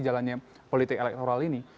jalannya politik elektoral ini